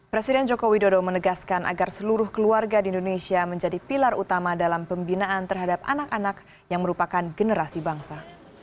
presiden joko widodo menegaskan agar seluruh keluarga di indonesia menjadi pilar utama dalam pembinaan terhadap anak anak yang merupakan generasi bangsa